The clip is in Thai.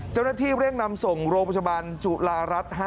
เจ้าหน้าที่เร่งนำส่งโรงพยาบาลจุฬารัฐ๕